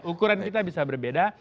ukuran kita bisa berbeda